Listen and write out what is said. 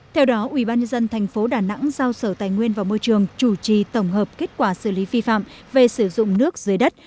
theo đó ubnd tp đà nẵng giao sở tài nguyên và môi trường chủ trì tổng hợp kết quả xử lý vi phạm về sử dụng nước dưới đất